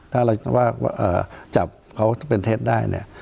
ถ้าเราคิดว่าจับเขาเป็นเท็จได้เนี่ย